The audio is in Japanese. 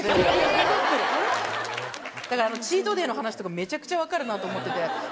だからあのチートデーの話とかめちゃくちゃ分かるなと思ってて。